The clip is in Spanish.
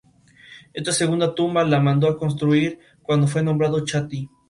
Esta segunda tumba la mandó construir cuando fue nombrado chaty.